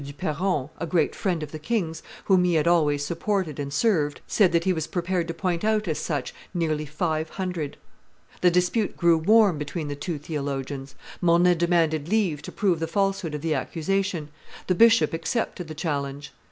du Perron, a great friend of the king's, whom he had always supported and served, said that he was prepared to point out as such nearly five hundred. The dispute grew warm between the two theologians; Mornay demanded leave to prove the falsehood of the accusation; the bishop accepted the challenge.